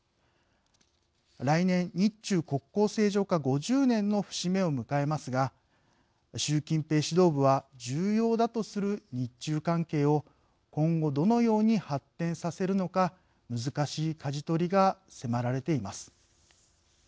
来年日中国交正常化５０年の節目を迎えますが習近平指導部は重要だとする日中関係を今後どのように発展させるのか難しいかじ取りが迫られています。